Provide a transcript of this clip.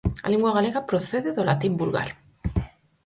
A lingua galega procede do latín vulgar.